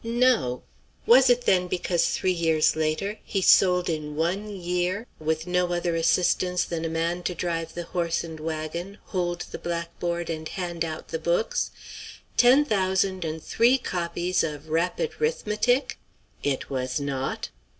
No. Was it, then, because three years later he sold in one year, with no other assistance than a man to drive the horse and wagon, hold the blackboard, and hand out the books, 10,003 copies of 'Rapid 'Rithmetic'? It was not.